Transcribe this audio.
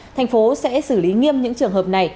thành phố sẽ xử lý nghiêm những trường hợp này